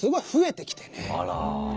あら。